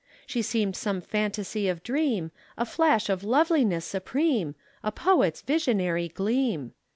She seemed some fantasy of dream, A flash of loveliness supreme, A poet's visionary gleam.